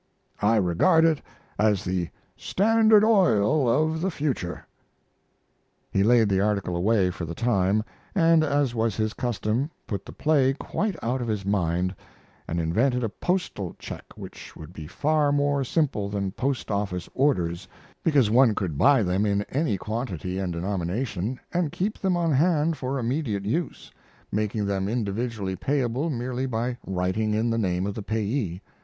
I regard it as the Standard Oil of the future. He laid the article away for the time and, as was his custom, put the play quite out of his mind and invented a postal check which would be far more simple than post office orders, because one could buy them in any quantity and denomination and keep them on hand for immediate use, making them individually payable merely by writing in the name of the payee.